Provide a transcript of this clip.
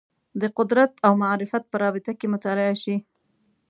د قدرت او معرفت په رابطه کې مطالعه شي